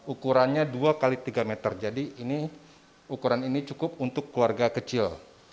ukurannya dua x tiga meter jadi ini ukuran ini cukup untuk keluarga kecil